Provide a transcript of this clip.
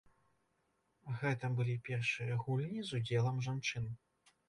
Гэта былі першыя гульні з удзелам жанчын.